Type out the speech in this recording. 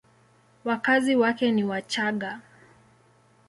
Wakazi wake ni Wachagga.